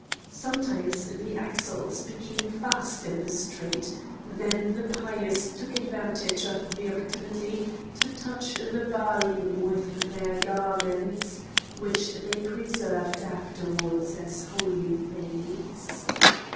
Sometimes the axles became fast in the streets; then the pious took advantage of the opportunity to touch the Baalim with their garments, which they preserved afterwards as holy things.